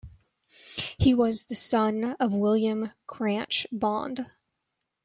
He was the son of William Cranch Bond.